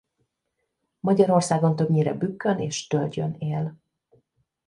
Magyarországon többnyire bükkön és tölgyön él.